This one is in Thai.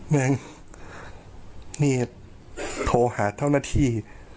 แม่งนี่โทรหาเจ้าหน้าที่